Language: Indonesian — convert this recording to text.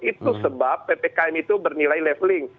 itu sebab ppkm itu bernilai leveling